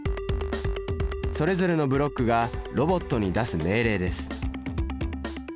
それぞれのブロックがロボットに出す命令です。